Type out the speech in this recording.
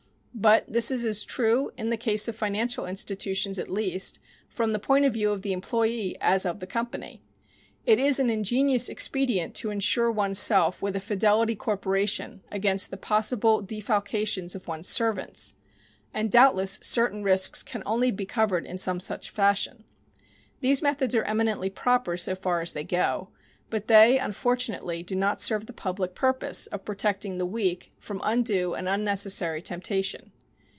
But this is as true, in the case of financial institutions at least, from the point of view of the employe as of the company. It is an ingenious expedient to insure one's self with a "fidelity corporation" against the possible defalcations of one's servants, and doubtless certain risks can only be covered in some such fashion. These methods are eminently proper so far as they go, but they, unfortunately, do not serve the public purpose of protecting the weak from undue and unnecessary temptation.